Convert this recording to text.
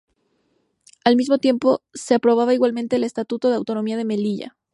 Al mismo tiempo se aprobaba igualmente el Estatuto de Autonomía de Melilla.